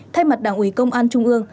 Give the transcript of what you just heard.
thay mặt đảng ủy công an trung ương